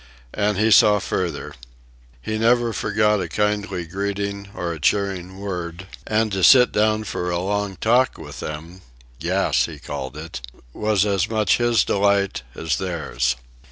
And he saw further. He never forgot a kindly greeting or a cheering word, and to sit down for a long talk with them ("gas" he called it) was as much his delight as theirs.